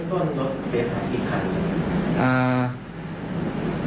พื้นต้นรถเตรียมหายกี่คัน